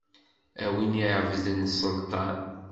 A win iɛebbden sselṭan.